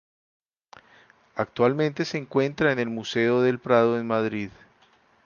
Actualmente se encuentra en el Museo del Prado, en Madrid.